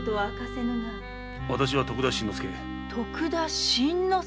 私は徳田新之助。